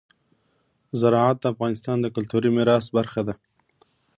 زراعت د افغانستان د کلتوري میراث برخه ده.